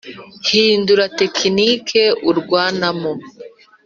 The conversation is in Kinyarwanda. Hindura tekinike urwanamo.